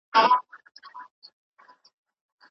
که د علي له ذوالفقار څخه څه جوړه نه سوه